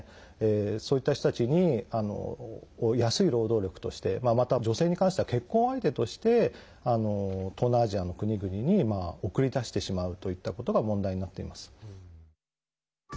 そういった人たちに安い労働力としてまた、女性に関しては結婚相手として東南アジアの国々に送り出してしまうといったことが問題になっています。